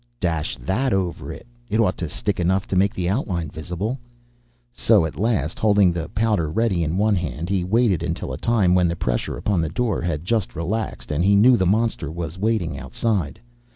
Dash that over it! It ought to stick enough to make the outline visible. So, at last, holding the powder ready in one hand, he waited until a time when the pressure upon the door had just relaxed, and he knew the monster was waiting outside.